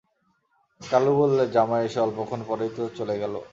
কালু বললে, জামাই এসে অল্পক্ষণ পরেই তো চলে গেল।